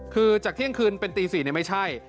คือจากเที่ยงคืนเป็นตี๔ไม่ใช่